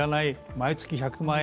毎月１００万円